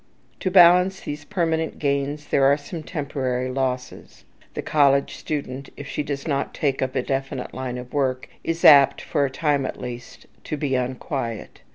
To balance these permanent gains, there are some temporary losses. The college student, if she does not take up a definite line of work, is apt, for a time at least, to be unquiet.